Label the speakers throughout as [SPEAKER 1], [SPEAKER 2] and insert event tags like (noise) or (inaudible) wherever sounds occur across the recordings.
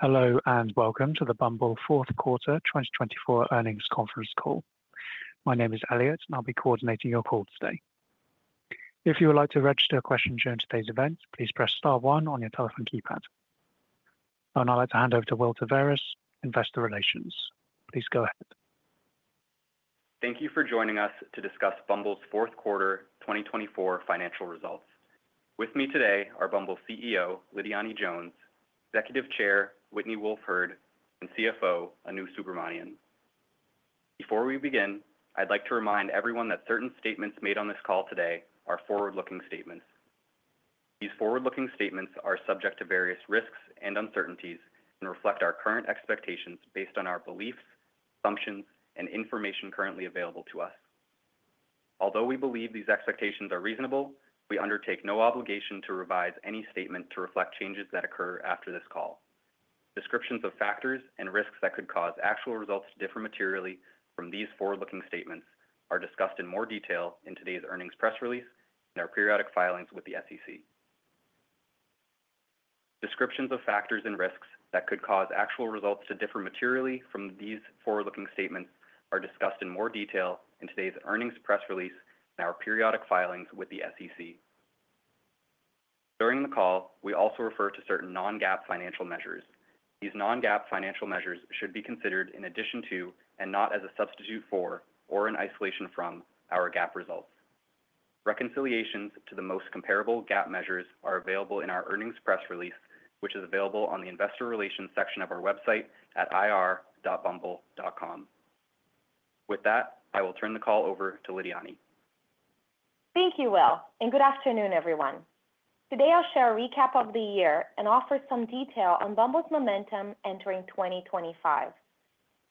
[SPEAKER 1] Hello, and welcome to the Bumble fourth quarter 2024 Earnings Conference Call. My name is Elliot, and I'll be coordinating your call today. If you would like to register a question during today's event, please press star one on your telephone keypad. I'd now like to hand over to Will Taveras, Investor Relations. Please go ahead.
[SPEAKER 2] Thank you for joining us to discuss Bumble's fourth quarter 2024 financial results. With me today are Bumble CEO Lidiane Jones, Executive Chair Whitney Wolfe Herd, and CFO Anu Subramanian. Before we begin, I'd like to remind everyone that certain statements made on this call today are forward-looking statements. These forward-looking statements are subject to various risks and uncertainties and reflect our current expectations based on our beliefs, assumptions, and information currently available to us. Although we believe these expectations are reasonable, we undertake no obligation to revise any statement to reflect changes that occur after this call. Descriptions of factors and risks that could cause actual results to differ materially from these forward-looking statements are discussed in more detail in today's earnings press release and our periodic filings with the SEC. Descriptions of factors and risks that could cause actual results to differ materially from these forward-looking statements are discussed in more detail in today's earnings press release and our periodic filings with the SEC. During the call, we also refer to certain non-GAAP financial measures. These non-GAAP financial measures should be considered in addition to, and not as a substitute for, or in isolation from, our GAAP results. Reconciliations to the most comparable GAAP measures are available in our earnings press release, which is available on the Investor Relations section of our website at ir.bumble.com. With that, I will turn the call over to Lidiane.
[SPEAKER 3] Thank you, Will, and good afternoon, everyone. Today, I'll share a recap of the year and offer some detail on Bumble's momentum entering 2025.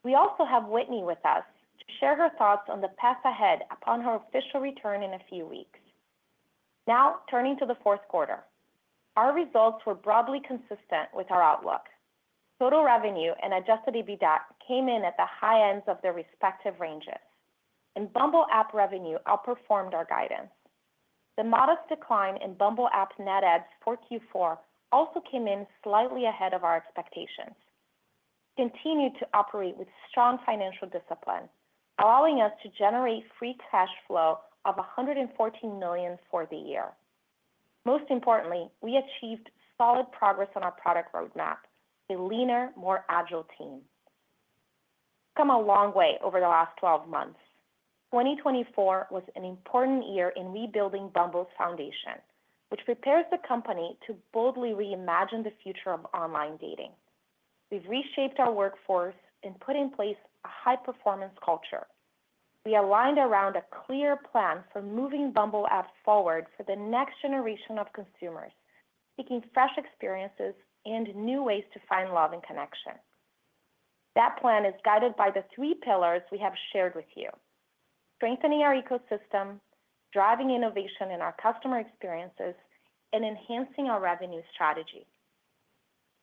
[SPEAKER 3] We also have Whitney with us to share her thoughts on the path ahead upon her official return in a few weeks. Now, turning to the fourth quarter, our results were broadly consistent with our outlook. Total revenue and Adjusted EBITDA came in at the high ends of their respective ranges, and Bumble app revenue outperformed our guidance. The modest decline in Bumble app net adds for Q4 also came in slightly ahead of our expectations. We continued to operate with strong financial discipline, allowing us to generate free cash flow of $114 million for the year. Most importantly, we achieved solid progress on our product roadmap with a leaner, more agile team. We've come a long way over the last 12 months. 2024 was an important year in rebuilding Bumble's foundation, which prepares the company to boldly reimagine the future of online dating. We've reshaped our workforce and put in place a high-performance culture. We aligned around a clear plan for moving Bumble app forward for the next generation of consumers, seeking fresh experiences and new ways to find love and connection. That plan is guided by the three pillars we have shared with you: strengthening our ecosystem, driving innovation in our customer experiences, and enhancing our revenue strategy.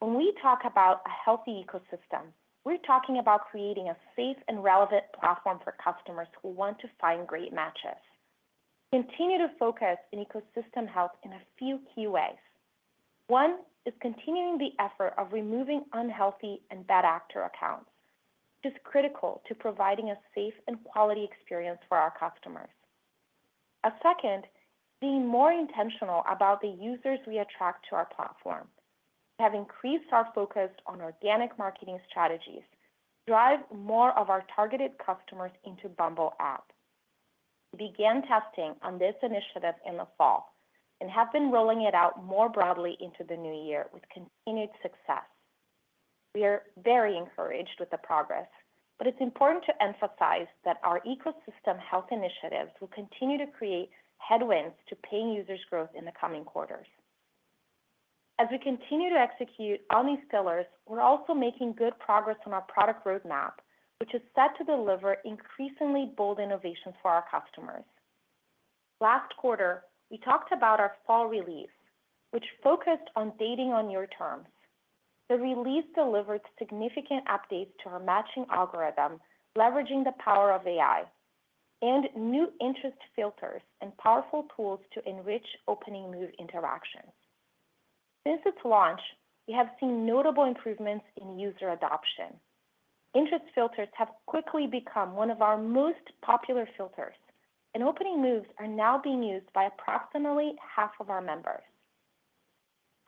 [SPEAKER 3] When we talk about a healthy ecosystem, we're talking about creating a safe and relevant platform for customers who want to find great matches. We continue to focus on ecosystem health in a few key ways. One is continuing the effort of removing unhealthy and bad actor accounts, which is critical to providing a safe and quality experience for our customers. A second is being more intentional about the users we attract to our platform. We have increased our focus on organic marketing strategies to drive more of our targeted customers into Bumble app. We began testing on this initiative in the fall and have been rolling it out more broadly into the new year with continued success. We are very encouraged with the progress, but it's important to emphasize that our ecosystem health initiatives will continue to create headwinds to paying users' growth in the coming quarters. As we continue to execute on these pillars, we're also making good progress on our product roadmap, which is set to deliver increasingly bold innovations for our customers. Last quarter, we talked about our fall release, which focused on dating on your terms. The release delivered significant updates to our matching algorithm, leveraging the power of AI, and new Interest Filters and powerful tools to enrich Opening Move interactions. Since its launch, we have seen notable improvements in user adoption. Interest Filters have quickly become one of our most popular filters, and Opening Moves are now being used by approximately half of our members.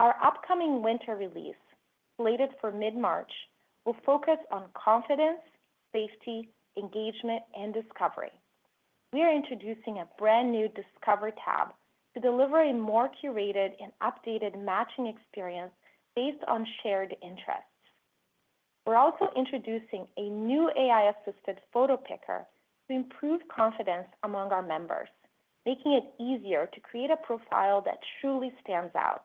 [SPEAKER 3] Our upcoming winter release, slated for mid-March, will focus on confidence, safety, engagement, and discovery. We are introducing a brand new Discover tab to deliver a more curated and updated matching experience based on shared interests. We're also introducing a new AI-assisted photo picker to improve confidence among our members, making it easier to create a profile that truly stands out.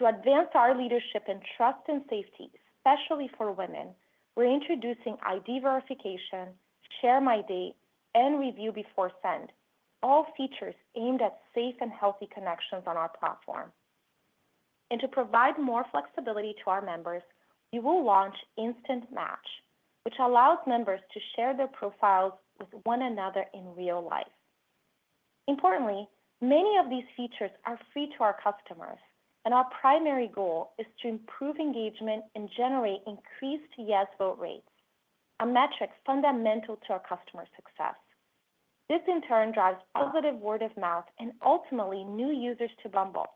[SPEAKER 3] To advance our leadership in trust and safety, especially for women, we're introducing ID Verification, Share My Date, and Review Before Send, all features aimed at safe and healthy connections on our platform. And to provide more flexibility to our members, we will launch Instant Match, which allows members to share their profiles with one another in real life. Importantly, many of these features are free to our customers, and our primary goal is to improve engagement and generate increased yes vote rates, a metric fundamental to our customer success. This, in turn, drives positive word of mouth and ultimately new users to Bumble.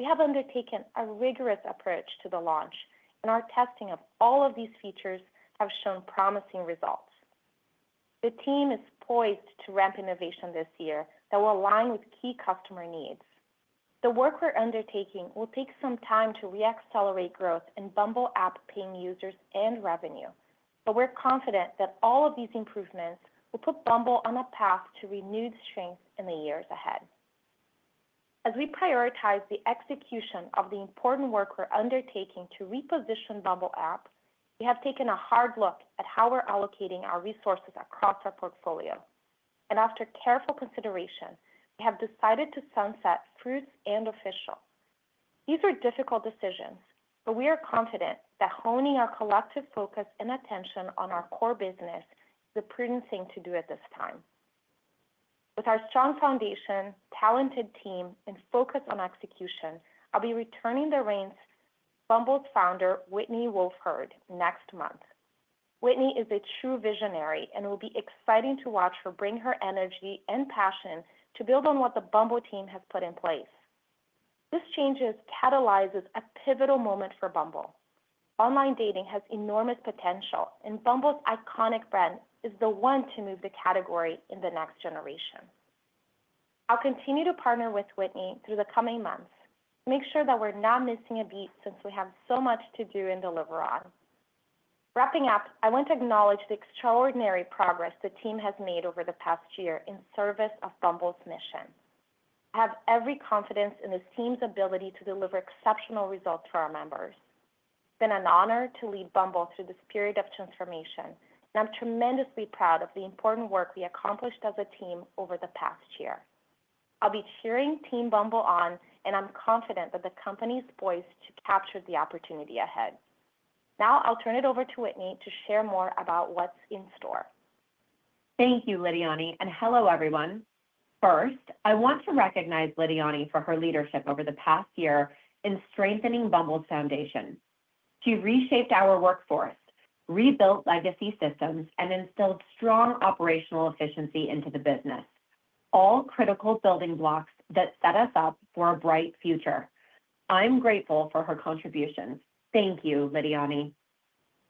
[SPEAKER 3] We have undertaken a rigorous approach to the launch, and our testing of all of these features has shown promising results. The team is poised to ramp innovation this year that will align with key customer needs. The work we're undertaking will take some time to re-accelerate growth in Bumble app paying users and revenue, but we're confident that all of these improvements will put Bumble on a path to renewed strength in the years ahead. As we prioritize the execution of the important work we're undertaking to reposition Bumble app, we have taken a hard look at how we're allocating our resources across our portfolio, and after careful consideration, we have decided to sunset Fruitz and Official. These are difficult decisions, but we are confident that honing our collective focus and attention on our core business is the prudent thing to do at this time. With our strong foundation, talented team, and focus on execution, I'll be returning the reins to Bumble's founder, Whitney Wolfe Herd, next month. Whitney is a true visionary and will be exciting to watch her bring her energy and passion to build on what the Bumble team has put in place. This change catalyzes a pivotal moment for Bumble. Online dating has enormous potential, and Bumble's iconic brand is the one to move the category in the next generation. I'll continue to partner with Whitney through the coming months to make sure that we're not missing a beat since we have so much to do and deliver on. Wrapping up, I want to acknowledge the extraordinary progress the team has made over the past year in service of Bumble's mission. I have every confidence in the team's ability to deliver exceptional results for our members. It's been an honor to lead Bumble through this period of transformation, and I'm tremendously proud of the important work we accomplished as a team over the past year. I'll be cheering Team Bumble on, and I'm confident that the company is poised to capture the opportunity ahead. Now, I'll turn it over to Whitney to share more about what's in store.
[SPEAKER 4] Thank you, Lidiane, and hello, everyone. First, I want to recognize Lidiane for her leadership over the past year in strengthening Bumble's foundation. She reshaped our workforce, rebuilt legacy systems, and instilled strong operational efficiency into the business, all critical building blocks that set us up for a bright future. I'm grateful for her contributions. Thank you, Lidiane.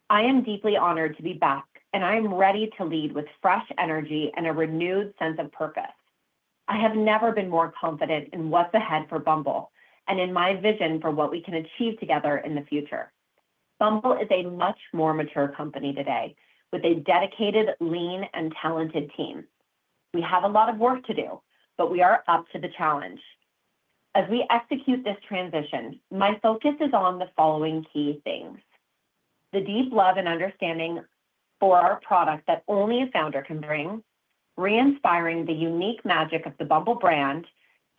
[SPEAKER 4] I am deeply honored to be back, and I am ready to lead with fresh energy and a renewed sense of purpose. I have never been more confident in what's ahead for Bumble and in my vision for what we can achieve together in the future. Bumble is a much more mature company today, with a dedicated, lean, and talented team. We have a lot of work to do, but we are up to the challenge. As we execute this transition, my focus is on the following key things: the deep love and understanding for our product that only a founder can bring, re-inspiring the unique magic of the Bumble brand,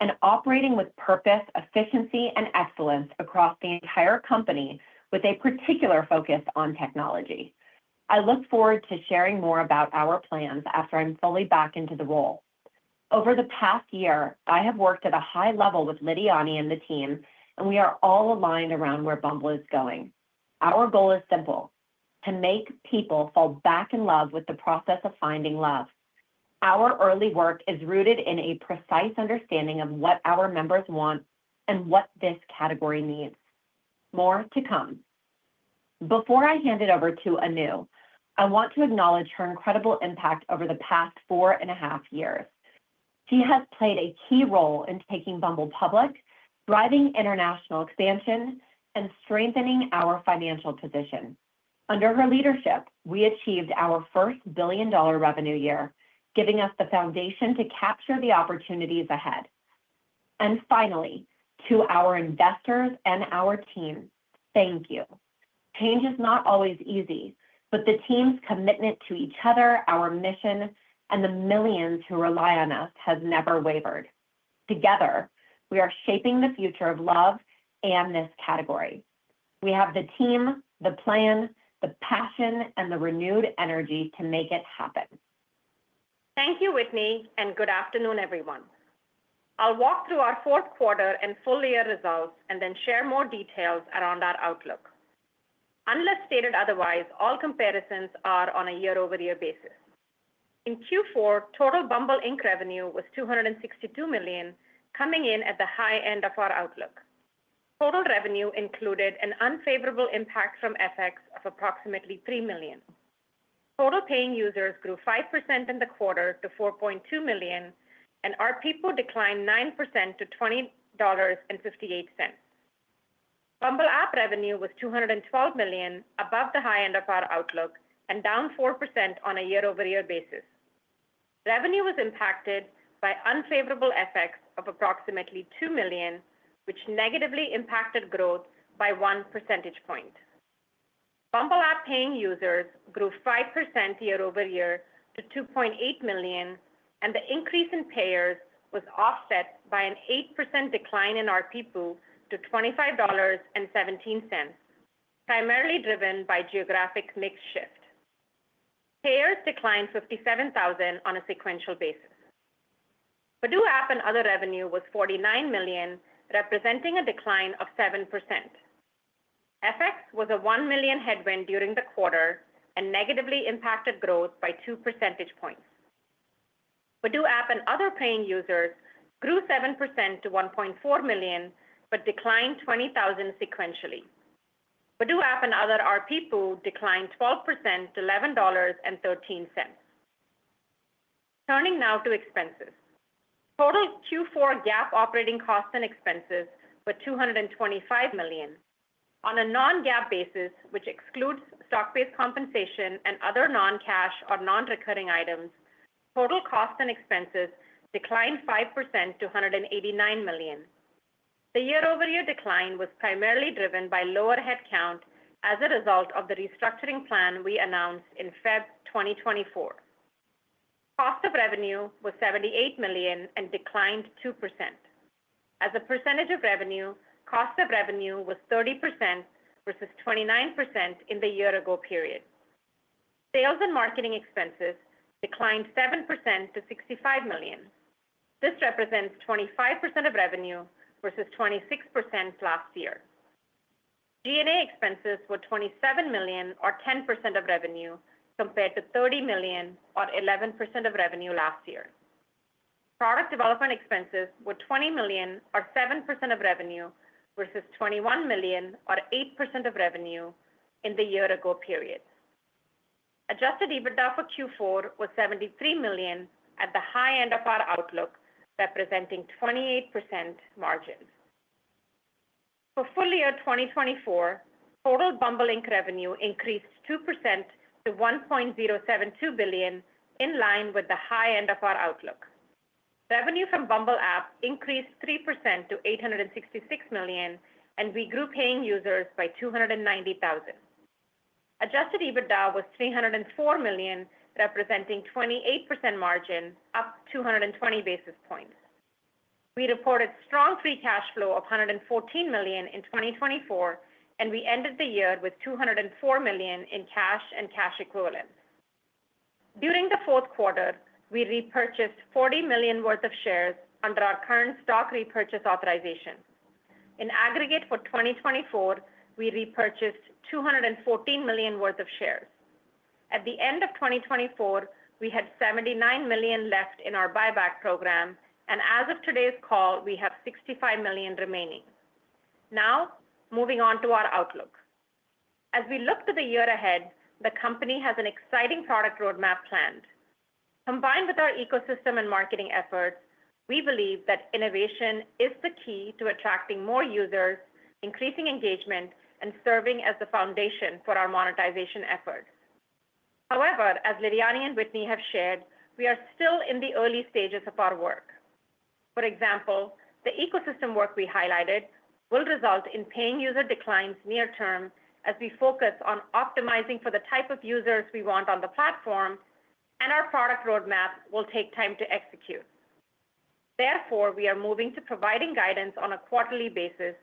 [SPEAKER 4] and operating with purpose, efficiency, and excellence across the entire company, with a particular focus on technology. I look forward to sharing more about our plans after I'm fully back into the role. Over the past year, I have worked at a high level with Lidiane and the team, and we are all aligned around where Bumble is going. Our goal is simple: to make people fall back in love with the process of finding love. Our early work is rooted in a precise understanding of what our members want and what this category needs. More to come. Before I hand it over to Anu, I want to acknowledge her incredible impact over the past four and a half years. She has played a key role in taking Bumble public, driving international expansion, and strengthening our financial position. Under her leadership, we achieved our first billion-dollar revenue year, giving us the foundation to capture the opportunities ahead. And finally, to our investors and our team, thank you. Change is not always easy, but the team's commitment to each other, our mission, and the millions who rely on us has never wavered. Together, we are shaping the future of love and this category. We have the team, the plan, the passion, and the renewed energy to make it happen.
[SPEAKER 5] Thank you, Whitney, and good afternoon, everyone. I'll walk through our Fourth Quarter and full-year results and then share more details around our outlook. Unless stated otherwise, all comparisons are on a year-over-year basis. In Q4, total Bumble Inc. revenue was $262 million, coming in at the high end of our outlook. Total revenue included an unfavorable impact from FX of approximately $3 million. Total paying users grew 5% in the quarter to 4.2 million, and ARPPU declined 9% to $20.58. Bumble app revenue was $212 million, above the high end of our outlook and down 4% on a year-over-year basis. Revenue was impacted by unfavorable FX of approximately $2 million, which negatively impacted growth by one percentage point. Bumble app paying users grew 5% year-over-year to 2.8 million, and the increase in payers was offset by an 8% decline in ARPPU to $25.17, primarily driven by geographic mix shift. Payers declined 57,000 on a sequential basis. Badoo app and other revenue was $49 million, representing a decline of 7%. FX was a $1 million headwind during the quarter and negatively impacted growth by two percentage points. Badoo app and other paying users grew 7% to 1.4 million, but declined 20,000 sequentially. Badoo app and other ARPPU declined 12% to $11.13. Turning now to expenses. Total Q4 GAAP operating costs and expenses were $225 million. On a non-GAAP basis, which excludes stock-based compensation and other non-cash or non-recurring items, total costs and expenses declined 5% to $189 million. The year-over-year decline was primarily driven by lower headcount as a result of the restructuring plan we announced in Feb 2024. Cost of revenue was $78 million and declined 2%. As a percentage of revenue, cost of revenue was 30% versus 29% in the year-ago period. Sales and marketing expenses declined 7% to $65 million. This represents 25% of revenue versus 26% last year. G&A expenses were $27 million, or 10% of revenue, compared to $30 million, or 11% of revenue last year. Product development expenses were $20 million, or 7% of revenue, versus $21 million, or 8% of revenue in the year-ago period. Adjusted EBITDA for Q4 was $73 million at the high end of our outlook, representing 28% margin. For full-year 2024, total Bumble Inc. revenue increased 2% to $1.072 billion, in line with the high end of our outlook. Revenue from Bumble app increased 3% to $866 million, and we grew paying users by 290,000. Adjusted EBITDA was $304 million, representing 28% margin, up 220 basis points. We reported strong free cash flow of $114 million in 2024, and we ended the year with $204 million in cash and cash equivalents. During the fourth quarter, we repurchased $40 million worth of shares under our current stock repurchase authorization. In aggregate for 2024, we repurchased $214 million worth of shares. At the end of 2024, we had $79 million left in our buyback program, and as of today's call, we have $65 million remaining. Now, moving on to our outlook. As we look to the year ahead, the company has an exciting product roadmap planned. Combined with our ecosystem and marketing efforts, we believe that innovation is the key to attracting more users, increasing engagement, and serving as the foundation for our monetization effort. However, as Lidiane and Whitney have shared, we are still in the early stages of our work. For example, the ecosystem work we highlighted will result in paying user declines near-term as we focus on optimizing for the type of users we want on the platform, and our product roadmap will take time to execute. Therefore, we are moving to providing guidance on a quarterly basis,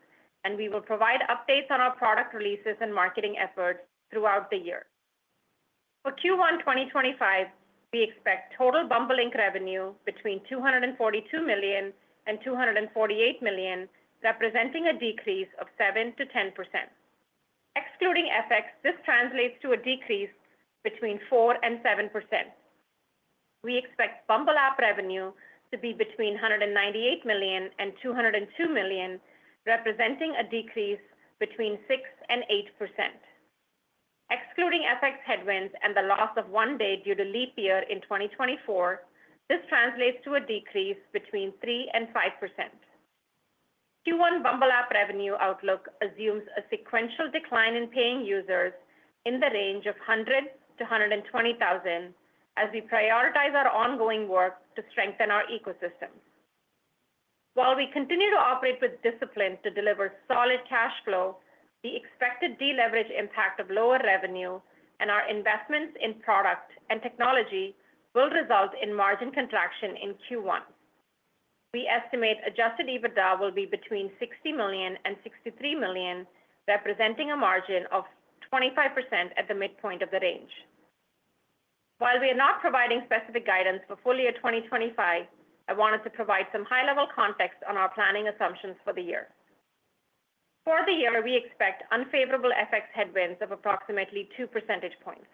[SPEAKER 5] and we will provide updates on our product releases and marketing efforts throughout the year. For Q1 2025, we expect total Bumble Inc. revenue between $242 million and $248 million, representing a decrease of 7%-10%. Excluding FX, this translates to a decrease between 4% and 7%. We expect Bumble app revenue to be between $198 million and $202 million, representing a decrease between 6% and 8%. Excluding FX headwinds and the loss of one day due to leap year in 2024, this translates to a decrease between 3% and 5%. Q1 Bumble app revenue outlook assumes a sequential decline in paying users in the range of 100,000-120,000 as we prioritize our ongoing work to strengthen our ecosystem. While we continue to operate with discipline to deliver solid cash flow, the expected deleverage impact of lower revenue and our investments in product and technology will result in margin contraction in Q1. We estimate Adjusted EBITDA will be between $60 million and $63 million, representing a margin of 25% at the midpoint of the range. While we are not providing specific guidance for full-year 2025, I wanted to provide some high-level context on our planning assumptions for the year. For the year, we expect unfavorable FX headwinds of approximately 2 percentage points.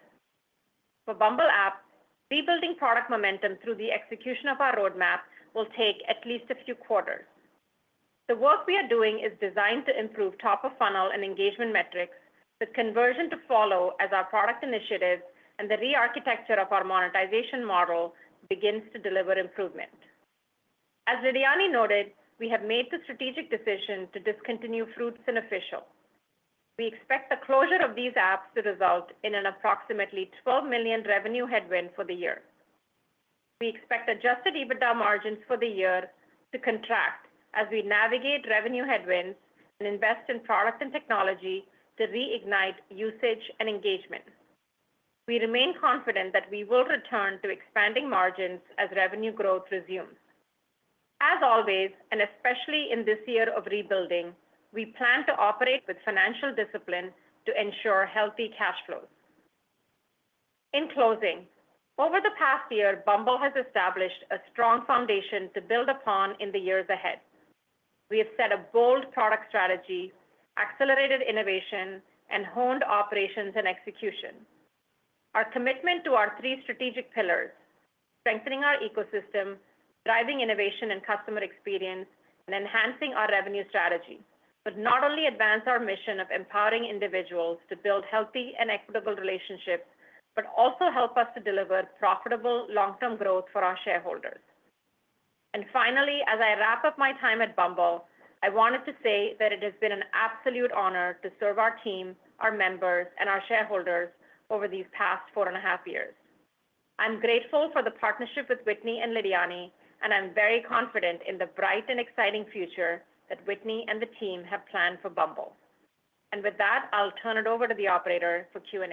[SPEAKER 5] For Bumble app, rebuilding product momentum through the execution of our roadmap will take at least a few quarters. The work we are doing is designed to improve top-of-funnel and engagement metrics, with conversion to follow as our product initiatives and the re-architecture of our monetization model begins to deliver improvement. As Lidiane noted, we have made the strategic decision to discontinue Fruitz and Official. We expect the closure of these apps to result in an approximately $12 million revenue headwind for the year. We expect Adjusted EBITDA margins for the year to contract as we navigate revenue headwinds and invest in product and technology to reignite usage and engagement. We remain confident that we will return to expanding margins as revenue growth resumes. As always, and especially in this year of rebuilding, we plan to operate with financial discipline to ensure healthy cash flows. In closing, over the past year, Bumble has established a strong foundation to build upon in the years ahead. We have set a bold product strategy, accelerated innovation, and honed operations and execution. Our commitment to our three strategic pillars (strengthening our ecosystem, driving innovation and customer experience, and enhancing our revenue strategy) would not only advance our mission of empowering individuals to build healthy and equitable relationships, but also help us to deliver profitable long-term growth for our shareholders. And finally, as I wrap up my time at Bumble, I wanted to say that it has been an absolute honor to serve our team, our members, and our shareholders over these past four and a half years. I'm grateful for the partnership with Whitney and Lidiane, and I'm very confident in the bright and exciting future that Whitney and the team have planned for Bumble. And with that, I'll turn it over to the operator for Q&A.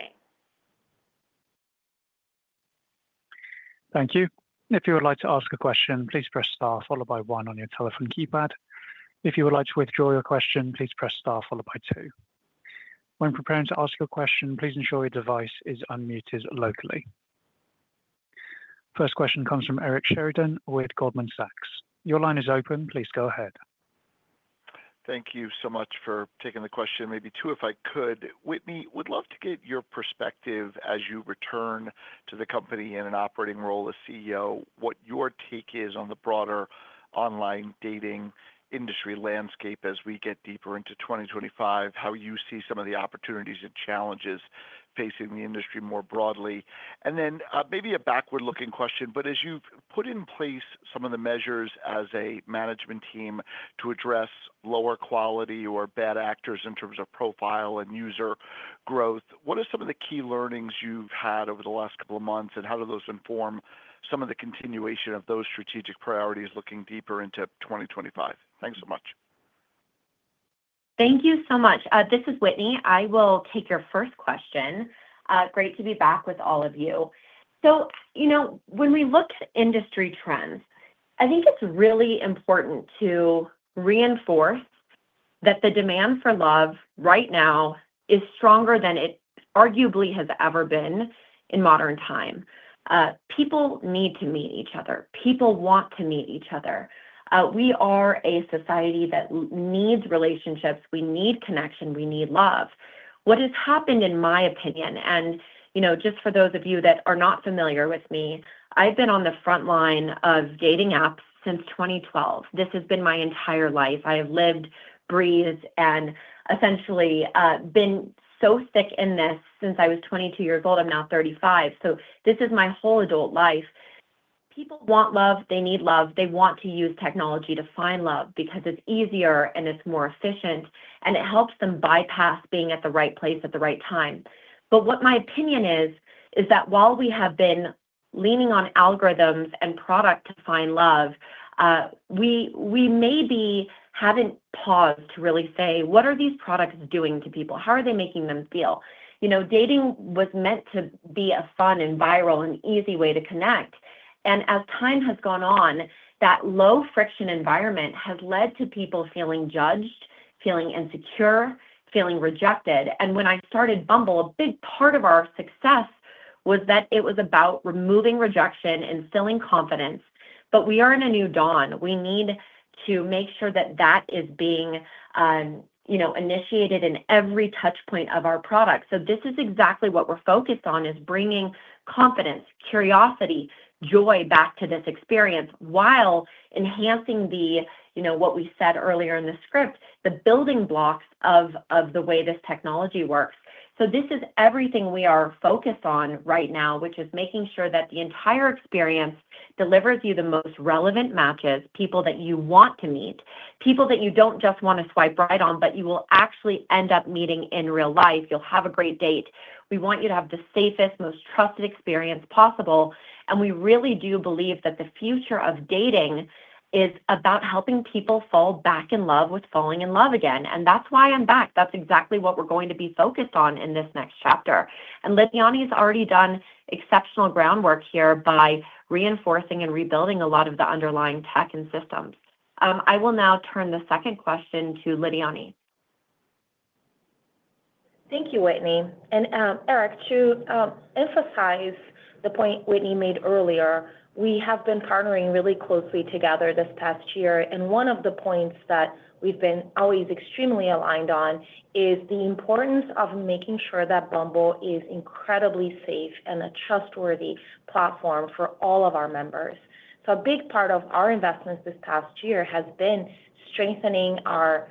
[SPEAKER 1] Thank you. If you would like to ask a question, please press star followed by one on your telephone keypad. If you would like to withdraw your question, please press star followed by two. When preparing to ask your question, please ensure your device is unmuted locally. First question comes from Eric Sheridan with Goldman Sachs. Your line is open. Please go ahead.
[SPEAKER 6] Thank you so much for taking the question. Maybe two, if I could. Whitney, would love to get your perspective as you return to the company in an operating role as CEO. What your take is on the broader online dating industry landscape as we get deeper into 2025, how you see some of the opportunities and challenges facing the industry more broadly. And then maybe a backward-looking question, but as you've put in place some of the measures as a management team to address lower quality or bad actors in terms of profile and user growth, what are some of the key learnings you've had over the last couple of months, and how do those inform some of the continuation of those strategic priorities looking deeper into 2025? Thanks so much.
[SPEAKER 4] Thank you so much. This is Whitney. I will take your first question. Great to be back with all of you. So when we look at industry trends, I think it's really important to reinforce that the demand for love right now is stronger than it arguably has ever been in modern time. People need to meet each other. People want to meet each other. We are a society that needs relationships. We need connection. We need love. What has happened, in my opinion, and just for those of you that are not familiar with me, I've been on the front line of dating apps since 2012. This has been my entire life. I have lived, breathed, and essentially been so sick in this since I was 22 years old. I'm now 35. So this is my whole adult life. People want love. They need love. They want to use technology to find love because it's easier and it's more efficient, and it helps them bypass being at the right place at the right time. But what my opinion is, is that while we have been leaning on algorithms and product to find love, we maybe haven't paused to really say, "What are these products doing to people? How are they making them feel?" Dating was meant to be a fun and viral and easy way to connect. As time has gone on, that low-friction environment has led to people feeling judged, feeling insecure, feeling rejected. When I started Bumble, a big part of our success was that it was about removing rejection and instilling confidence. We are in a new dawn. We need to make sure that that is being initiated in every touchpoint of our product. This is exactly what we're focused on, is bringing confidence, curiosity, joy back to this experience while enhancing the, what we said earlier in the script, the building blocks of the way this technology works. This is everything we are focused on right now, which is making sure that the entire experience delivers you the most relevant matches, people that you want to meet, people that you don't just want to swipe right on, but you will actually end up meeting in real life. You'll have a great date. We want you to have the safest, most trusted experience possible, and we really do believe that the future of dating is about helping people fall back in love with falling in love again, and that's why I'm back. That's exactly what we're going to be focused on in this next chapter, and Lidiane has already done exceptional groundwork here by reinforcing and rebuilding a lot of the underlying tech and systems. I will now turn the second question to Lidiane.
[SPEAKER 3] Thank you, Whitney, and Eric, to emphasize the point Whitney made earlier, we have been partnering really closely together this past year, and one of the points that we've been always extremely aligned on is the importance of making sure that Bumble is incredibly safe and a trustworthy platform for all of our members. So a big part of our investments this past year has been strengthening our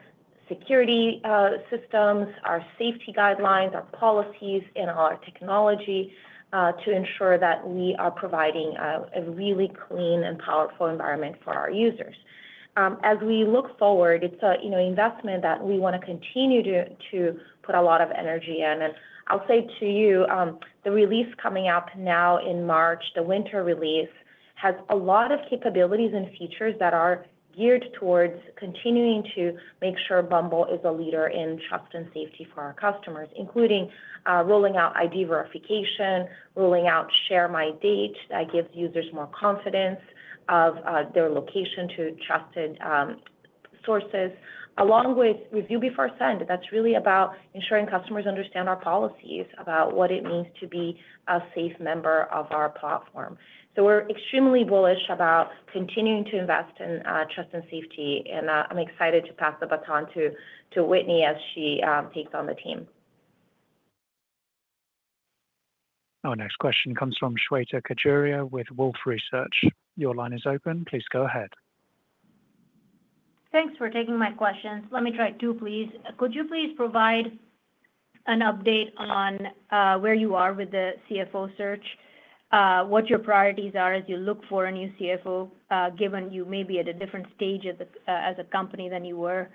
[SPEAKER 3] security systems, our safety guidelines, our policies, and our technology to ensure that we are providing a really clean and powerful environment for our users. As we look forward, it's an investment that we want to continue to put a lot of energy in. And I'll say to you, the release coming up now in March, the winter release, has a lot of capabilities and features that are geared towards continuing to make sure Bumble is a leader in trust and safety for our customers, including rolling out ID verification, rolling out Share My Date that gives users more confidence of their location to trusted sources, along with Review Before Send. That's really about ensuring customers understand our policies about what it means to be a safe member of our platform. So we're extremely bullish about continuing to invest in trust and safety. And I'm excited to pass the baton to Whitney as she takes on the team.
[SPEAKER 1] Our next question comes from Shweta Khajuria with Wolfe Research. Your line is open. Please go ahead.
[SPEAKER 7] Thanks for taking my questions. Let me try two, please. Could you please provide an update on where you are with the CFO search, what your priorities are as you look for a new CFO, given you may be at a different stage as a company than you were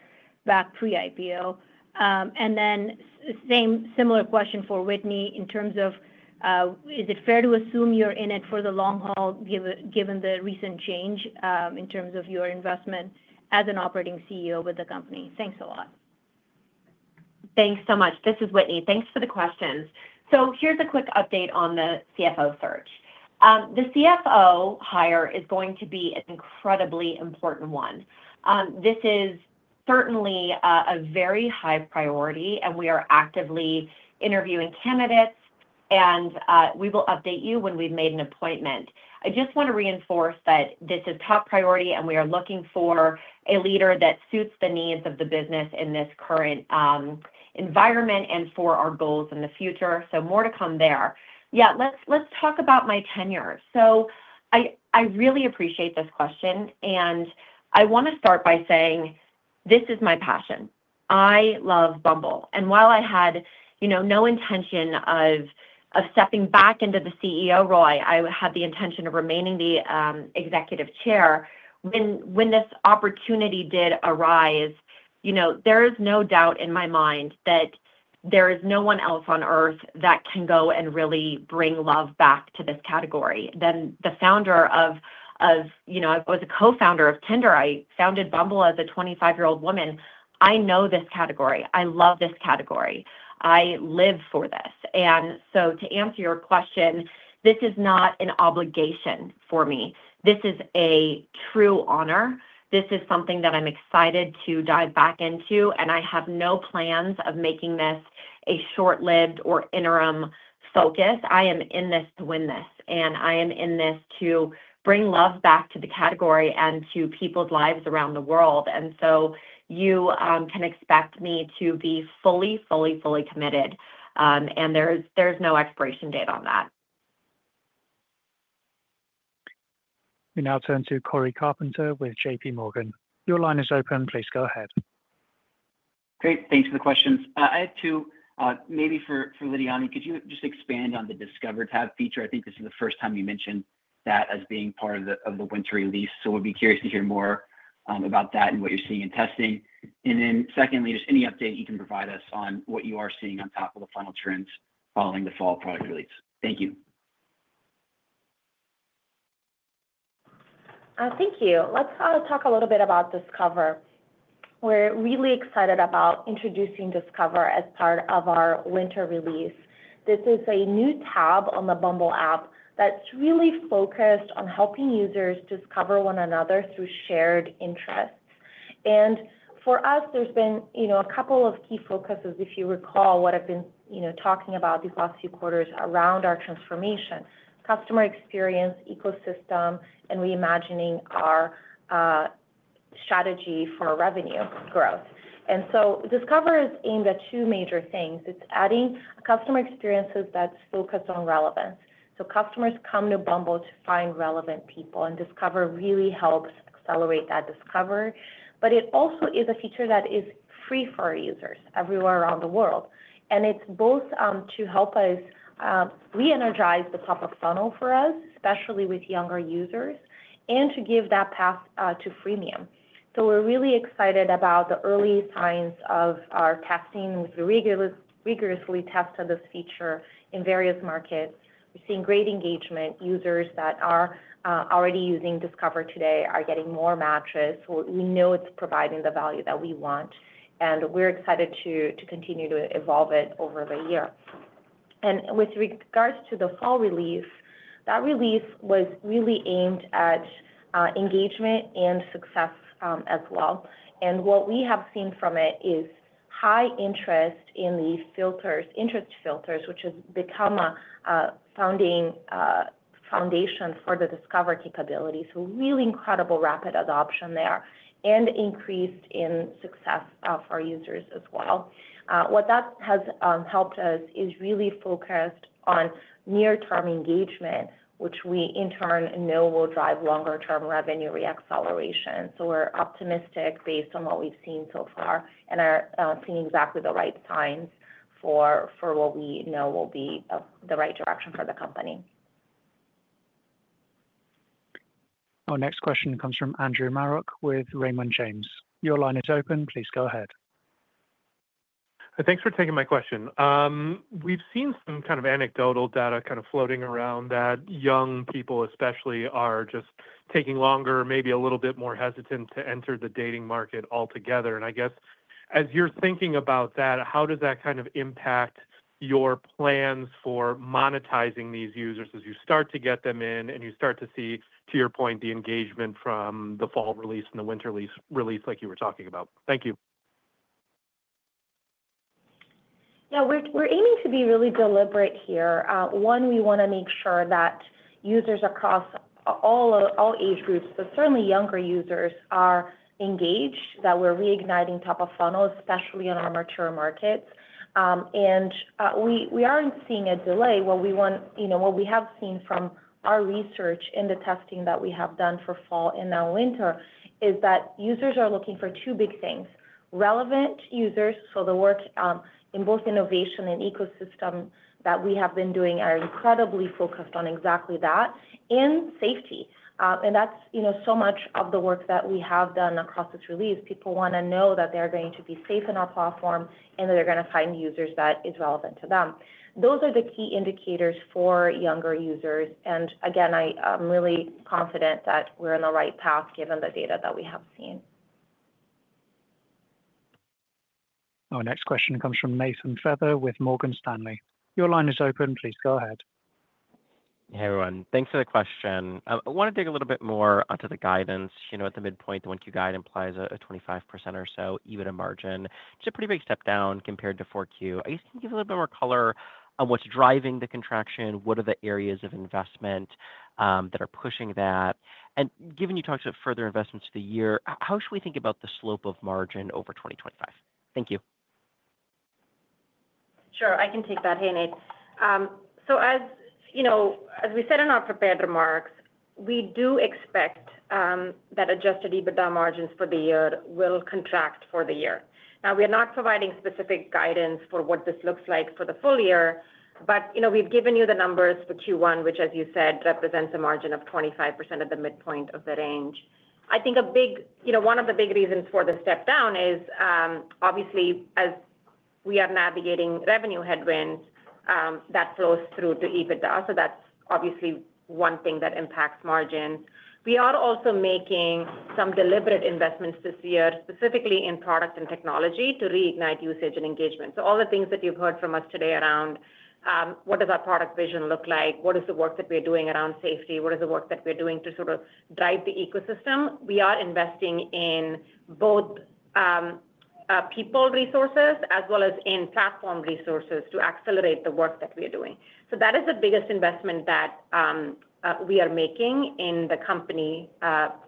[SPEAKER 7] back pre-IPO? And then same similar question for Whitney in terms of, is it fair to assume you're in it for the long haul given the recent change in terms of your investment as an operating CEO with the company? Thanks a lot.
[SPEAKER 4] Thanks so much. This is Whitney. Thanks for the questions. Here's a quick update on the CFO search. The CFO hire is going to be an incredibly important one. This is certainly a very high priority, and we are actively interviewing candidates, and we will update you when we've made an appointment. I just want to reinforce that this is top priority, and we are looking for a leader that suits the needs of the business in this current environment and for our goals in the future. So more to come there. Yeah, let's talk about my tenure. So I really appreciate this question, and I want to start by saying this is my passion. I love Bumble. And while I had no intention of stepping back into the CEO role, I had the intention of remaining the Executive Chair. When this opportunity did arise, there is no doubt in my mind that there is no one else on earth that can go and really bring love back to this category. I'm the founder of Bumble. I was a co-founder of Tinder. I founded Bumble as a 25-year-old woman. I know this category. I love this category. I live for this. And so, to answer your question, this is not an obligation for me. This is a true honor. This is something that I'm excited to dive back into, and I have no plans of making this a short-lived or interim focus. I am in this to win this, and I am in this to bring love back to the category and to people's lives around the world. And so you can expect me to be fully, fully, fully committed, and there's no expiration date on that.
[SPEAKER 1] We now turn to Cory Carpenter with J.P. Morgan. Your line is open. Please go ahead.
[SPEAKER 8] Great. Thanks for the questions. I had two. Maybe for Lidiane, could you just expand on the Discover tab feature? I think this is the first time you mentioned that as being part of the winter release. So we'll be curious to hear more about that and what you're seeing in testing. And then secondly, just any update you can provide us on what you are seeing on top-of-funnel trends following the fall product release. Thank you.
[SPEAKER 3] Thank you. Let's talk a little bit about Discover. We're really excited about introducing Discover as part of our winter release. This is a new tab on the Bumble app that's really focused on helping users discover one another through shared interests. For us, there's been a couple of key focuses, if you recall, what I've been talking about these last few quarters around our transformation, customer experience, ecosystem, and reimagining our strategy for revenue growth. Discover is aimed at two major things. It's adding customer experiences that's focused on relevance. Customers come to Bumble to find relevant people, and Discover really helps accelerate that Discover. It also is a feature that is free for users everywhere around the world. It's both to help us re-energize the top-of-funnel for us, especially with younger users, and to give that path to freemium. We're really excited about the early signs of our testing. We've rigorously tested this feature in various markets. We're seeing great engagement. Users that are already using Discover today are getting more matches. We know it's providing the value that we want, and we're excited to continue to evolve it over the year. And with regards to the fall release, that release was really aimed at engagement and success as well. And what we have seen from it is high interest in the filters, Interest Filters, which has become a foundation for the Discover capability. So really incredible rapid adoption there and increase in success for users as well. What that has helped us is really focused on near-term engagement, which we in turn know will drive longer-term revenue re-acceleration. So we're optimistic based on what we've seen so far and are seeing exactly the right signs for what we know will be the right direction for the company.
[SPEAKER 1] Our next question comes from Andrew Marok with Raymond James. Your line is open. Please go ahead.
[SPEAKER 9] Thanks for taking my question. We've seen some kind of anecdotal data kind of floating around that young people, especially, are just taking longer, maybe a little bit more hesitant to enter the dating market altogether. And I guess, as you're thinking about that, how does that kind of impact your plans for monetizing these users as you start to get them in and you start to see, to your point, the engagement from the fall release and the winter release like you were talking about? Thank you.
[SPEAKER 3] Yeah, we're aiming to be really deliberate here. One, we want to make sure that users across all age groups, but certainly younger users, are engaged, that we're reigniting top-of-funnel, especially in our mature markets. And we aren't seeing a delay. What we have seen from our research and the testing that we have done for fall and now winter is that users are looking for two big things: relevant users. So the work in both innovation and ecosystem that we have been doing are incredibly focused on exactly that and safety. And that's so much of the work that we have done across this release. People want to know that they're going to be safe in our platform and that they're going to find users that is relevant to them. Those are the key indicators for younger users. And again, I'm really confident that we're on the right path given the data that we have seen.
[SPEAKER 1] Our next question comes from Nathan Feather with Morgan Stanley. Your line is open. Please go ahead.
[SPEAKER 10] Hey, everyone. Thanks for the question. I want to dig a little bit more onto the guidance. At the midpoint, the Q1 guide implies a 25% or so EBITDA margin. It's a pretty big step down compared to Q4. I guess you can give a little bit more color on what's driving the contraction. What are the areas of investment that are pushing that? And given you talked about further investments to the year, how should we think about the slope of margin over 2025? Thank you.
[SPEAKER 5] Sure. I can take that. Hey, Nate. So as we said in our prepared remarks, we do expect that Adjusted EBITDA margins for the year will contract for the year. Now, we are not providing specific guidance for what this looks like for the full year, but we've given you the numbers for Q1, which, as you said, represents a margin of 25% at the midpoint of the range. I think one of the big reasons for the step down is, obviously, as we are navigating revenue headwinds that flows through to EBITDA. So that's obviously one thing that impacts margins. We are also making some deliberate investments this year, specifically in product and technology to reignite usage and engagement. So all the things that you've heard from us today around what does our product vision look like, what is the work that we're doing around safety, what is the work that we're doing to sort of drive the ecosystem, we are investing in both people resources as well as in platform resources to accelerate the work that we are doing. So that is the biggest investment that we are making in the company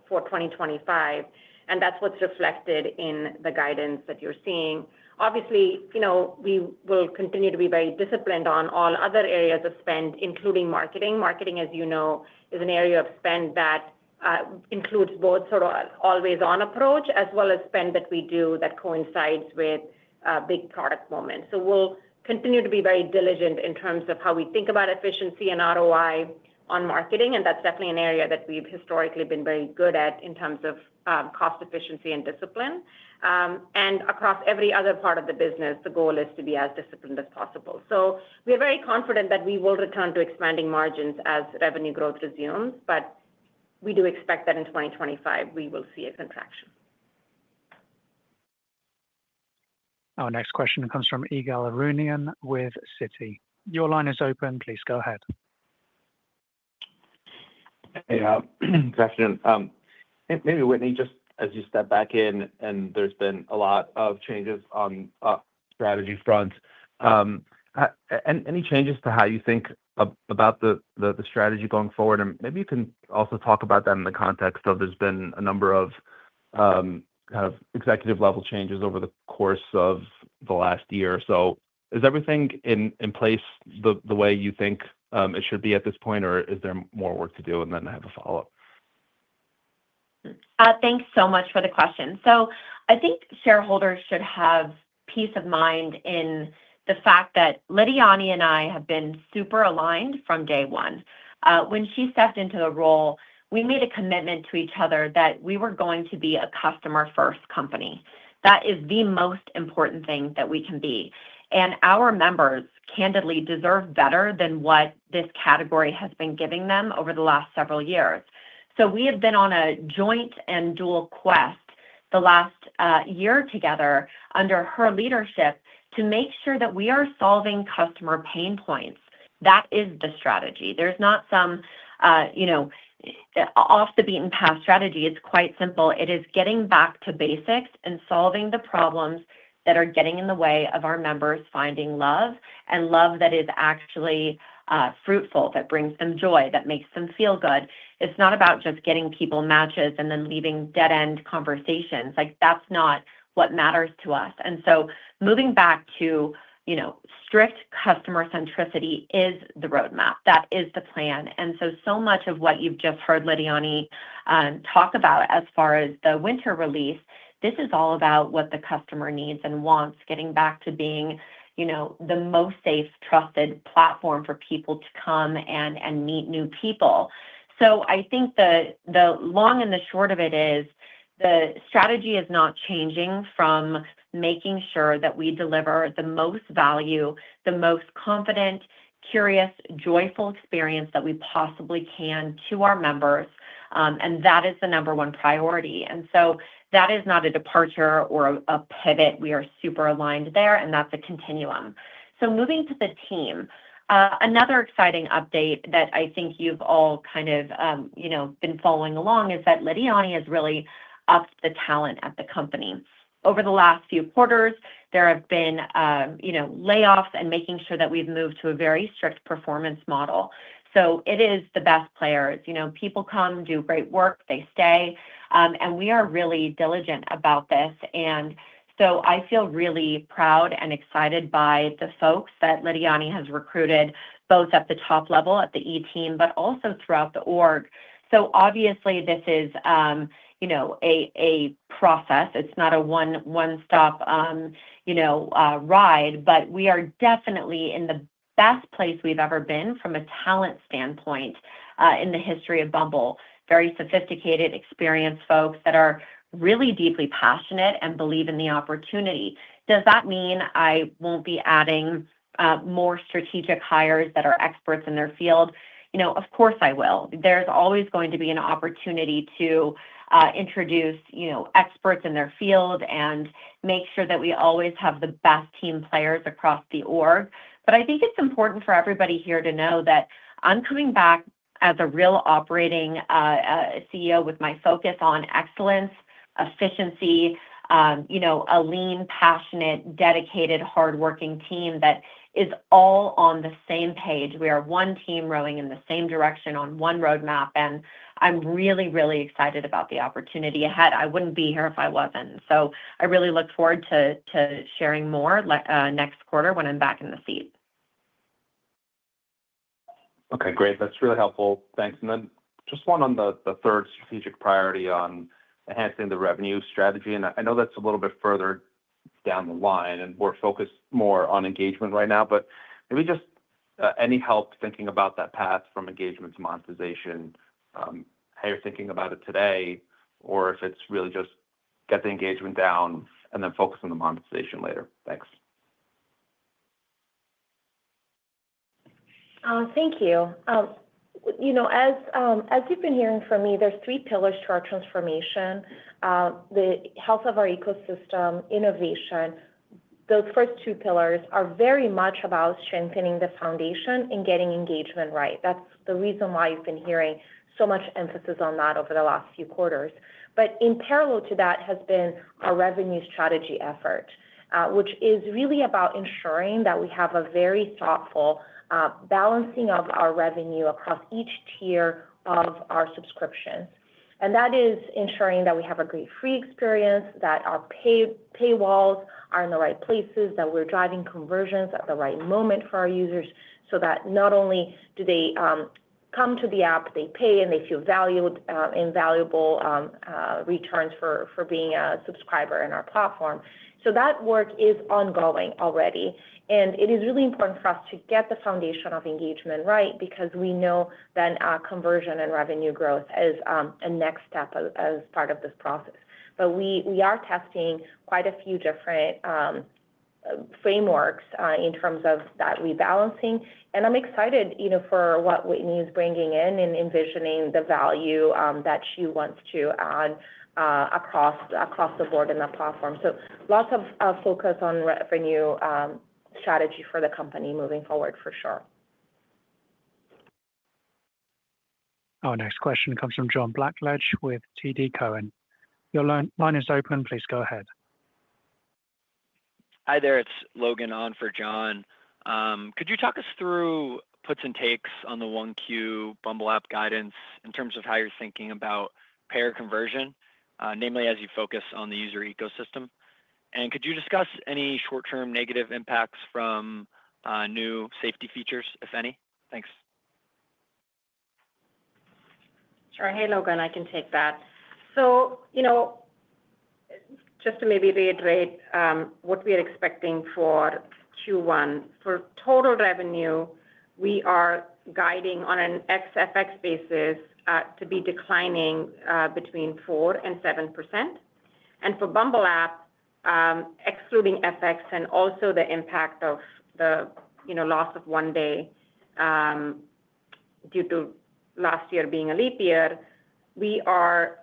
[SPEAKER 5] for 2025, and that's what's reflected in the guidance that you're seeing. Obviously, we will continue to be very disciplined on all other areas of spend, including marketing. Marketing, as you know, is an area of spend that includes both sort of always-on approach as well as spend that we do that coincides with big product moments. So we'll continue to be very diligent in terms of how we think about efficiency and ROI on marketing. And that's definitely an area that we've historically been very good at in terms of cost efficiency and discipline. And across every other part of the business, the goal is to be as disciplined as possible. So we are very confident that we will return to expanding margins as revenue growth resumes, but we do expect that in 2025, we will see a contraction.
[SPEAKER 1] Our next question comes from Ygal Arounian with Citi. Your line is open. Please go ahead.
[SPEAKER 11] Hey, good afternoon. Hey, maybe, Whitney, just as you step back in, and there's been a lot of changes on strategy front. Any changes to how you think about the strategy going forward? And maybe you can also talk about that in the context of there's been a number of kind of executive-level changes over the course of the last year or so. Is everything in place the way you think it should be at this point, or is there more work to do? And then I have a follow-up.
[SPEAKER 4] Thanks so much for the question, so I think shareholders should have peace of mind in the fact that Lidiane and I have been super aligned from day one. When she stepped into the role, we made a commitment to each other that we were going to be a customer-first company. That is the most important thing that we can be. Our members candidly deserve better than what this category has been giving them over the last several years. We have been on a joint and dual quest the last year together under her leadership to make sure that we are solving customer pain points. That is the strategy. There's not some off-the-beaten-path strategy. It's quite simple. It is getting back to basics and solving the problems that are getting in the way of our members finding love and love that is actually fruitful, that brings them joy, that makes them feel good. It's not about just getting people matches and then leaving dead-end conversations. That's not what matters to us. Moving back to strict customer-centricity is the roadmap. That is the plan. And so much of what you've just heard Lidiane talk about as far as the winter release, this is all about what the customer needs and wants, getting back to being the most safe, trusted platform for people to come and meet new people. So I think the long and the short of it is the strategy is not changing from making sure that we deliver the most value, the most confident, curious, joyful experience that we possibly can to our members. And that is the number one priority. And so that is not a departure or a pivot. We are super aligned there, and that's a continuum. So moving to the team, another exciting update that I think you've all kind of been following along is that Lidiane has really upped the talent at the company. Over the last few quarters, there have been layoffs and making sure that we've moved to a very strict performance model, so it is the best players. People come, do great work, they stay, and we are really diligent about this, and so I feel really proud and excited by the folks that Lidiane has recruited both at the top level at the E-Team, but also throughout the org. So obviously, this is a process. It's not a one-stop ride, but we are definitely in the best place we've ever been from a talent standpoint in the history of Bumble. Very sophisticated, experienced folks that are really deeply passionate and believe in the opportunity. Does that mean I won't be adding more strategic hires that are experts in their field? Of course, I will. There's always going to be an opportunity to introduce experts in their field and make sure that we always have the best team players across the org. But I think it's important for everybody here to know that I'm coming back as a real operating CEO with my focus on excellence, efficiency, a lean, passionate, dedicated, hardworking team that is all on the same page. We are one team rowing in the same direction on one roadmap, and I'm really, really excited about the opportunity ahead. I wouldn't be here if I wasn't. So I really look forward to sharing more next quarter when I'm back in the seat.
[SPEAKER 11] Okay. Great. That's really helpful. Thanks. And then just one on the third strategic priority on enhancing the revenue strategy. And I know that's a little bit further down the line, and we're focused more on engagement right now. But maybe just any help thinking about that path from engagement to monetization, how you're thinking about it today, or if it's really just get the engagement down and then focus on the monetization later. Thanks.
[SPEAKER 3] Thank you. As you've been hearing from me, there's three pillars to our transformation: the health of our ecosystem, innovation. Those first two pillars are very much about strengthening the foundation and getting engagement right. That's the reason why you've been hearing so much emphasis on that over the last few quarters. But in parallel to that has been our revenue strategy effort, which is really about ensuring that we have a very thoughtful balancing of our revenue across each tier of our subscriptions. That is ensuring that we have a great free experience, that our paywalls are in the right places, that we're driving conversions at the right moment for our users so that not only do they come to the app, they pay, and they feel valuable returns for being a subscriber in our platform. That work is ongoing already. It is really important for us to get the foundation of engagement right because we know then conversion and revenue growth is a next step as part of this process. We are testing quite a few different frameworks in terms of that rebalancing. I'm excited for what Whitney is bringing in and envisioning the value that she wants to add across the board in that platform. Lots of focus on revenue strategy for the company moving forward, for sure.
[SPEAKER 1] Our next question comes from John Blackledge with TD Cowen. Your line is open. Please go ahead. Hi there. It's Logan Ang for John. Could you talk us through puts and takes on the Q1 Bumble app guidance in terms of how you're thinking about payer conversion, namely as you focus on the user ecosystem? And could you discuss any short-term negative impacts from new safety features, if any? Thanks.
[SPEAKER 5] Sure. Hey, Logan. I can take that. So just to maybe reiterate what we are expecting for Q1, for total revenue, we are guiding on an ex-FX basis to be declining between 4% and 7%. And for Bumble app, excluding FX and also the impact of the loss of one day due to last year being a leap year, we are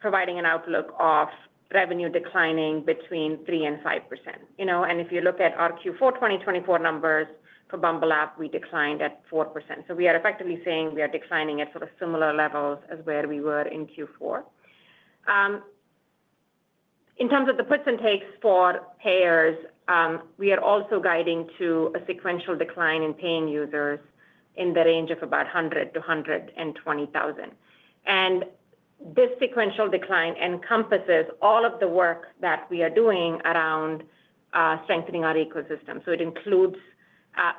[SPEAKER 5] providing an outlook of revenue declining between 3% and 5%. If you look at our Q4 2024 numbers for Bumble app, we declined at 4%. So we are effectively saying we are declining at sort of similar levels as where we were in Q4. In terms of the puts and takes for payers, we are also guiding to a sequential decline in paying users in the range of about 100,000-120,000. And this sequential decline encompasses all of the work that we are doing around strengthening our ecosystem. So it includes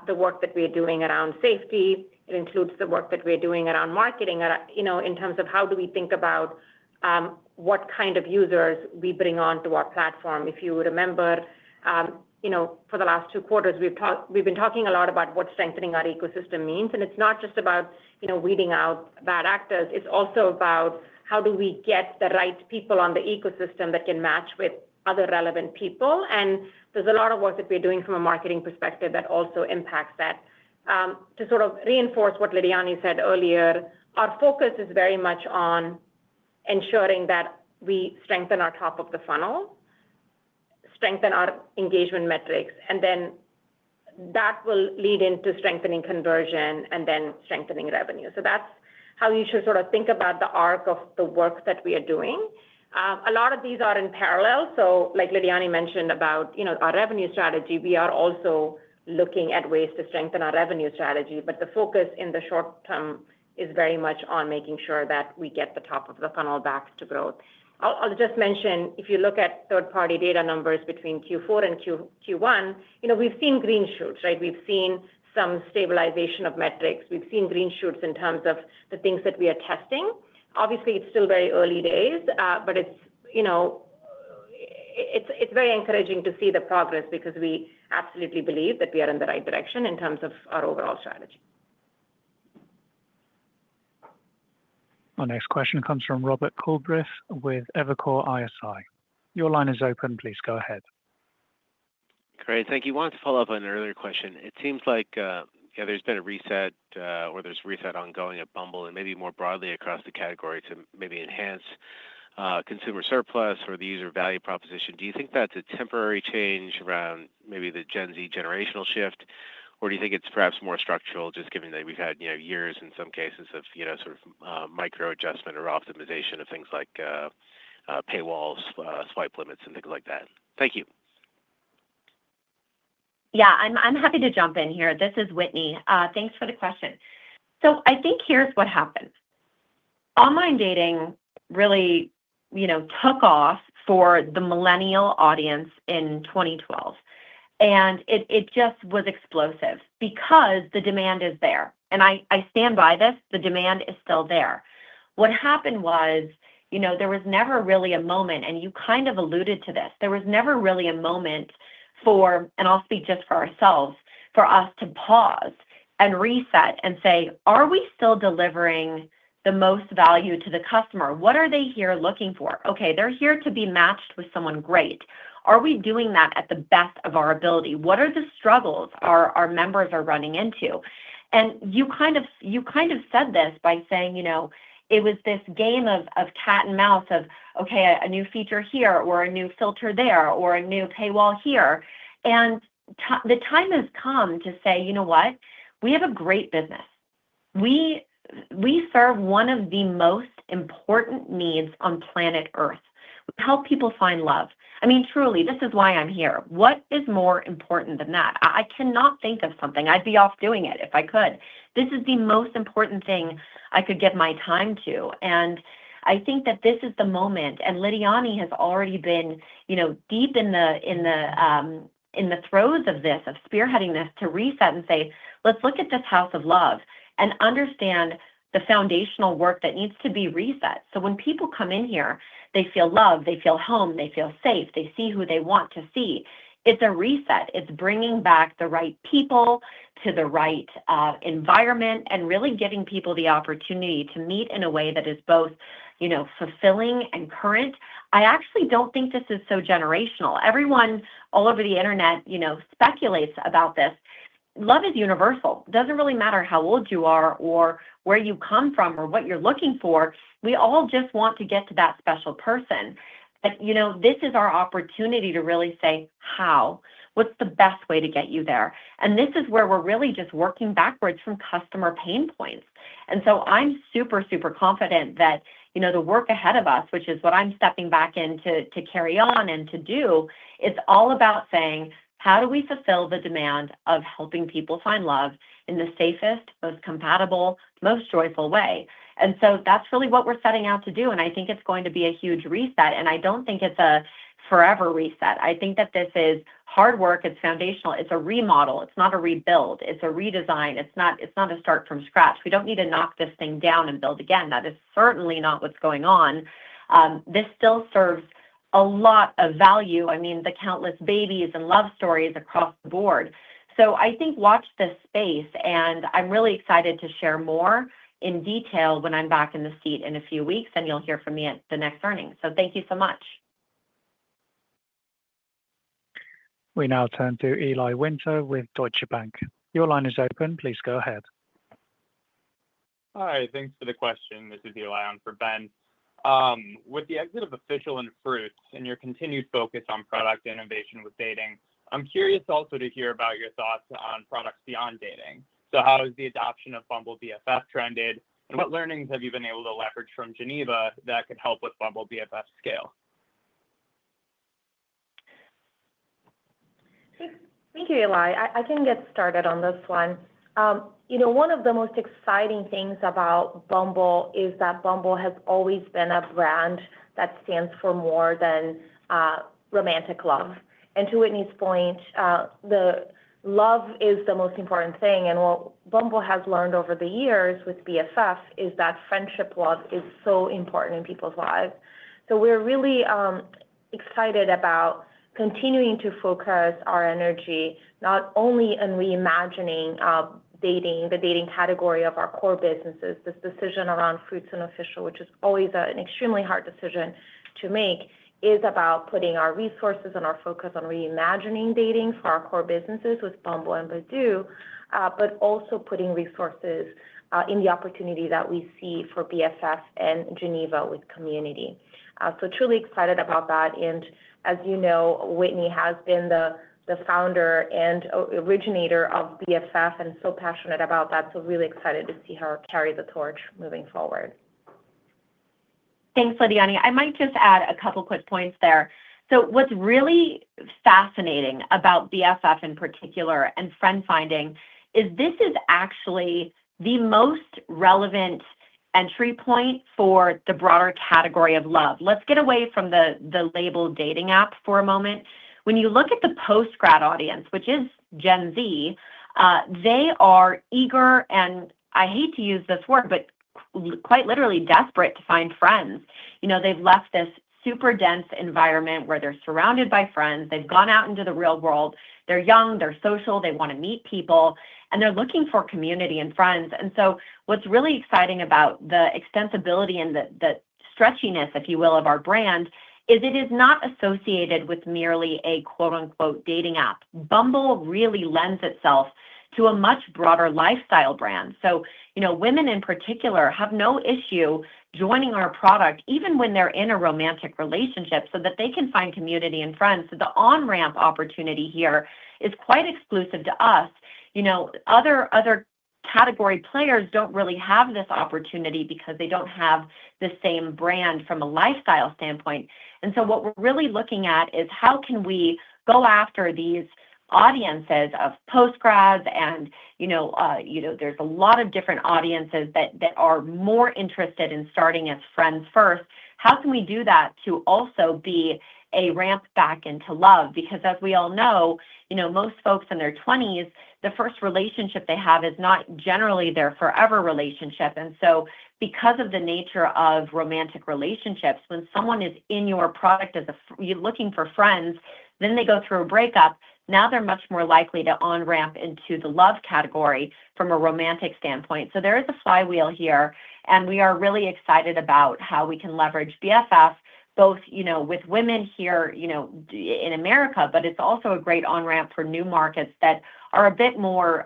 [SPEAKER 5] the work that we are doing around safety. It includes the work that we are doing around marketing in terms of how do we think about what kind of users we bring onto our platform. If you remember, for the last two quarters, we've been talking a lot about what strengthening our ecosystem means. And it's not just about weeding out bad actors. It's also about how do we get the right people on the ecosystem that can match with other relevant people. And there's a lot of work that we're doing from a marketing perspective that also impacts that. To sort of reinforce what Lidiane said earlier, our focus is very much on ensuring that we strengthen our top of the funnel, strengthen our engagement metrics, and then that will lead into strengthening conversion and then strengthening revenue. So that's how you should sort of think about the arc of the work that we are doing. A lot of these are in parallel. So like Lidiane mentioned about our revenue strategy, we are also looking at ways to strengthen our revenue strategy. But the focus in the short term is very much on making sure that we get the top of the funnel back to growth. I'll just mention, if you look at third-party data numbers between Q4 and Q1, we've seen green shoots, right? We've seen some stabilization of metrics. We've seen green shoots in terms of the things that we are testing. Obviously, it's still very early days, but it's very encouraging to see the progress because we absolutely believe that we are in the right direction in terms of our overall strategy.
[SPEAKER 1] Our next question comes from Robert Coolbrith with Evercore ISI. Your line is open. Please go ahead.
[SPEAKER 12] Great. Thank you. I wanted to follow up on an earlier question. It seems like there's been a reset or there's reset ongoing at Bumble and maybe more broadly across the category to maybe enhance consumer surplus or the user value proposition. Do you think that's a temporary change around maybe the Gen Z generational shift, or do you think it's perhaps more structural, just given that we've had years in some cases of sort of micro-adjustment or optimization of things like paywalls, swipe limits, and things like that? Thank you.
[SPEAKER 4] Yeah. I'm happy to jump in here. This is Whitney. Thanks for the question. So I think here's what happened. Online dating really took off for the millennial audience in 2012, and it just was explosive because the demand is there, and I stand by this. The demand is still there. What happened was there was never really a moment, and you kind of alluded to this. There was never really a moment for, and I'll speak just for ourselves, for us to pause and reset and say, "Are we still delivering the most value to the customer? What are they here looking for? Okay. They're here to be matched with someone great. Are we doing that at the best of our ability? What are the struggles our members are running into?" And you kind of said this by saying it was this game of cat and mouse of, "Okay, a new feature here or a new filter there or a new paywall here." And the time has come to say, "You know what? We have a great business. We serve one of the most important needs on planet Earth. We help people find love." I mean, truly, this is why I'm here. What is more important than that? I cannot think of something. I'd be off doing it if I could. This is the most important thing I could give my time to. And I think that this is the moment. And Lidiane has already been deep in the throes of this, of spearheading this, to reset and say, "Let's look at this house of love and understand the foundational work that needs to be reset." So when people come in here, they feel love. They feel home. They feel safe. They see who they want to see. It's a reset. It's bringing back the right people to the right environment and really giving people the opportunity to meet in a way that is both fulfilling and current. I actually don't think this is so generational. Everyone all over the internet speculates about this. Love is universal. It doesn't really matter how old you are or where you come from or what you're looking for. We all just want to get to that special person. But this is our opportunity to really say, "How? What's the best way to get you there?", and this is where we're really just working backwards from customer pain points, and so I'm super, super confident that the work ahead of us, which is what I'm stepping back in to carry on and to do, it's all about saying, "How do we fulfill the demand of helping people find love in the safest, most compatible, most joyful way?", and so that's really what we're setting out to do, and I think it's going to be a huge reset, and I don't think it's a forever reset. I think that this is hard work. It's foundational. It's a remodel. It's not a rebuild. It's a redesign. It's not a start from scratch. We don't need to knock this thing down and build again. That is certainly not what's going on. This still serves a lot of value. I mean, the countless babies and love stories across the board. So I think watch this space. I'm really excited to share more in detail when I'm back in the seat in a few weeks, and you'll hear from me at the next earnings. So thank you so much.
[SPEAKER 1] We now turn to Eli Winter with Deutsche Bank. Your line is open. Please go ahead.
[SPEAKER 13] Hi. Thanks for the question. This is Eli Ahn for Ben. With the exit of Official and Fruitz and your continued focus on product innovation with dating, I'm curious also to hear about your thoughts on products beyond dating. So how has the adoption of Bumble BFF trended? And what learnings have you been able to leverage from Geneva that could help with Bumble BFF scale?
[SPEAKER 3] Thank you, Eli. I can get started on this one. One of the most exciting things about Bumble is that Bumble has always been a brand that stands for more than romantic love. And to Whitney's point, love is the most important thing. And what Bumble has learned over the years with BFF is that friendship love is so important in people's lives. So we're really excited about continuing to focus our energy not only on reimagining dating, the dating category of our core businesses. This decision around Fruitz and Official, which is always an extremely hard decision to make, is about putting our resources and our focus on reimagining dating for our core businesses with Bumble and Badoo, but also putting resources in the opportunity that we see for BFF and Geneva with community. So truly excited about that. And as you know, Whitney has been the founder and originator of BFF and so passionate about that. So really excited to see her carry the torch moving forward.
[SPEAKER 4] Thanks, Lidiane. I might just add a couple of quick points there. So what's really fascinating about BFF in particular and friend finding is this is actually the most relevant entry point for the broader category of love. Let's get away from the label dating app for a moment. When you look at the post-grad audience, which is Gen Z, they are eager, and I hate to use this word, but quite literally desperate to find friends. They've left this super dense environment where they're surrounded by friends. They've gone out into the real world. They're young. They're social. They want to meet people. And so what's really exciting about the extensibility and the stretchiness, if you will, of our brand is it is not associated with merely a quote-unquote dating app. Bumble really lends itself to a much broader lifestyle brand. So women in particular have no issue joining our product even when they're in a romantic relationship so that they can find community and friends. So the on-ramp opportunity here is quite exclusive to us. Other category players don't really have this opportunity because they don't have the same brand from a lifestyle standpoint. And so what we're really looking at is how can we go after these audiences of post-grads, and there's a lot of different audiences that are more interested in starting as friends first. How can we do that to also be a ramp back into love? Because as we all know, most folks in their 20s, the first relationship they have is not generally their forever relationship. And so because of the nature of romantic relationships, when someone is in your product as a looking for friends, then they go through a breakup, now they're much more likely to on-ramp into the love category from a romantic standpoint. So there is a flywheel here. And we are really excited about how we can leverage BFF both with women here in America, but it's also a great on-ramp for new markets that are a bit more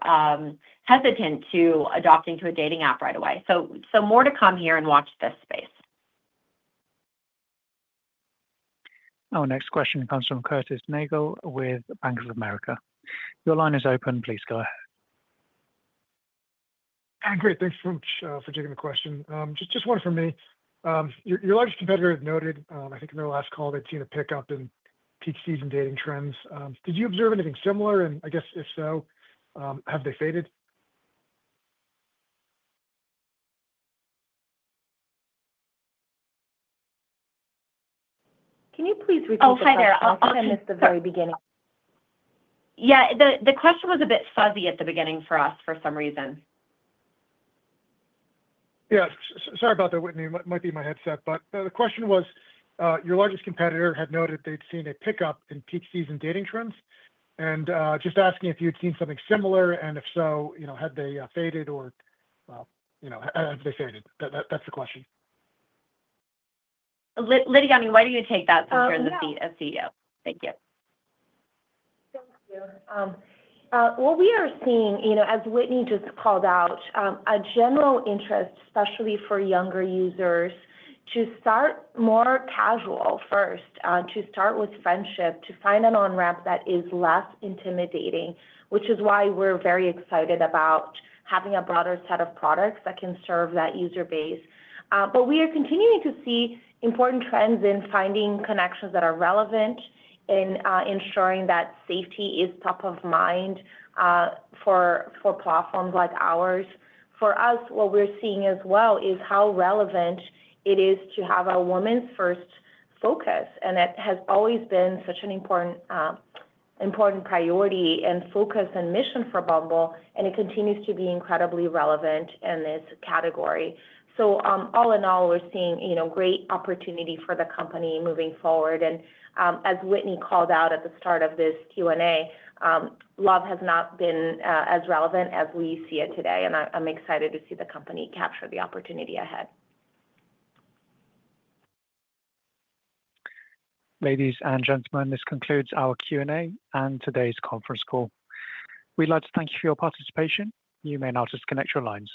[SPEAKER 4] hesitant to adopt into a dating app right away. So more to come here and watch this space.
[SPEAKER 1] Our next question comes from Curtis Nagle with Bank of America. Your line is open. Please go ahead.
[SPEAKER 14] Hi, great. Thanks for taking the question. Just one from me. Your largest competitor has noted, I think in their last call, they've seen a pickup in peak season dating trends. Did you observe anything similar? And I guess if so, have they faded?
[SPEAKER 4] Can you please repeat that?
[SPEAKER 3] Oh, hi there. I missed the (crosstalk) very beginning.
[SPEAKER 4] Yeah. The question was a bit fuzzy at the beginning for us for some reason.
[SPEAKER 14] Yeah. Sorry about that, Whitney. It might be my headset. But the question was your largest competitor had noted they'd seen a pickup in peak season dating trends. And just asking if you'd seen something similar and if so, had they faded or have they faded? That's the question.
[SPEAKER 4] Lidiane, why don't you take that since you're in the seat as CEO? Thank you.
[SPEAKER 3] Thank you. What we are seeing, as Whitney just called out, a general interest, especially for younger users, to start more casual first, to start with friendship, to find an on-ramp that is less intimidating, which is why we're very excited about having a broader set of products that can serve that user base, but we are continuing to see important trends in finding connections that are relevant in ensuring that safety is top of mind for platforms like ours. For us, what we're seeing as well is how relevant it is to have a women-first focus, and it has always been such an important priority and focus and mission for Bumble, and it continues to be incredibly relevant in this category, so all in all, we're seeing great opportunity for the company moving forward. As Whitney called out at the start of this Q&A, love has not been as relevant as we see it today. I'm excited to see the company capture the opportunity ahead.
[SPEAKER 1] Ladies and gentlemen, this concludes our Q&A and today's conference call. We'd like to thank you for your participation. You may now disconnect your lines.